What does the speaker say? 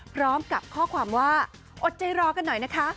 พร้อมกับข้อความว่าอดใจรอกันหน่อยนะคะ